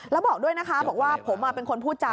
แล้วบอกด้วยนะคะบอกว่าผมเป็นคนพูดจา